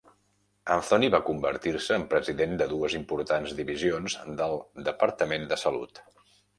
Anthony va convertir-se en president de dues importants divisions del departament de salut.